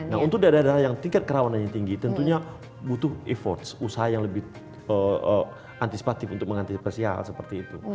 nah untuk daerah daerah yang tingkat kerawanannya tinggi tentunya butuh effort usaha yang lebih antisipatif untuk mengantisipasi hal seperti itu